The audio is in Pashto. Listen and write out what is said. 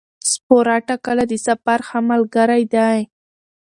سپوره ټکله د سفر ښه ملګری دی.